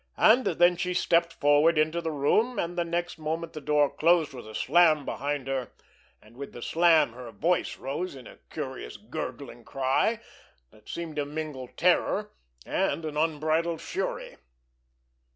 And then she stepped forward into the room, and the next moment the door closed with a slam behind her, and with the slam her voice rose in a curious, gurgling cry that seemed to mingle terror and an unbridled fury.